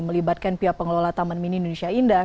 melibatkan pihak pengelola taman mini indonesia indah